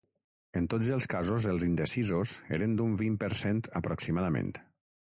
En tots els casos els indecisos eren d’un vint per cent aproximadament.